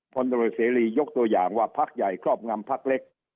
ตำรวจเสรียกตัวอย่างว่าพักใหญ่ครอบงำพักเล็ก